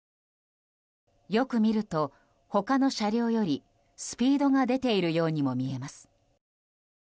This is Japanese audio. よく見ると、他の車両よりスピードが出ているようにも見えます。